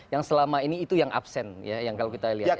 yang selama ini itu yang absen ya yang kalau kita lihat